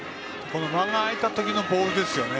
間が空いたあとのボールですね。